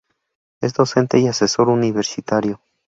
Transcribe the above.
Es docente y asesor universitario.